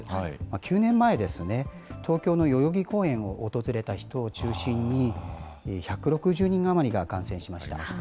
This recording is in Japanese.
９年前ですね、東京の代々木公園を訪れた人を中心に、１６０人余りが感染しました。